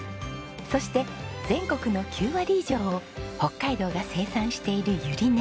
そして全国の９割以上を北海道が生産しているユリネ。